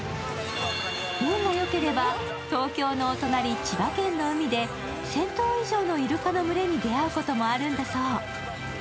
運がよければ東京のお隣、千葉県の海で１０００頭以上のイルカの群れに出会うこともあるんだそう。